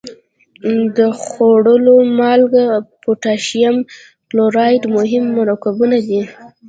د خوړو مالګه او پوتاشیم کلورایډ مهم مرکبونه دي.